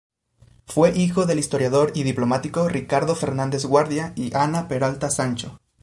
Fue hijo del historiador y diplomático Ricardo Fernández Guardia y Ana Peralta Sancho.